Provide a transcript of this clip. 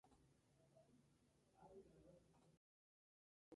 Es músico y productor egresado de la Pontificia Universidad Javeriana de Bogotá.